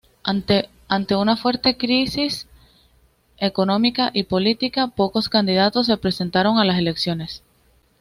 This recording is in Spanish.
Ante una fuerte crisis económica y política, pocos candidatos se presentaron a las elecciones.